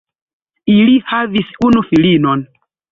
Ili havis unu filinon.